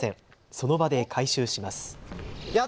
その場で回収します。